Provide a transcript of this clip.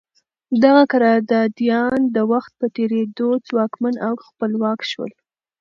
دغه قراردادیان د وخت په تېرېدو ځواکمن او خپلواک شول.